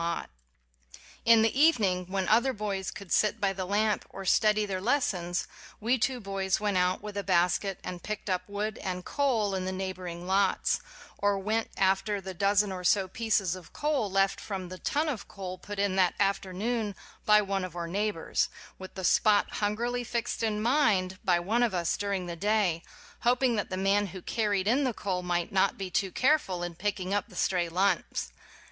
7 WHY I BELIEVE IN POVERTY In the evening, when other boys could sit by the lamp or study their lessons, we two boys went out with a basket and picked up wood and coal in the neighboring lots, or went after the dozen or so pieces of coal left from the ton of coal put in that afternoon by one of our neighbors, with the spot hungrily fixed in mind by one of us during the day, hoping that the man who carried in the coal might not be too careful in picking up the stray lumps